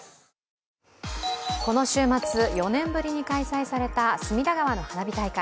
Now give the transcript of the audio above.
この週末、４年ぶりに開催された隅田川の花火大会。